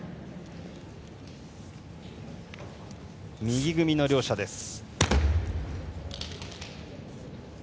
右組みの両者です。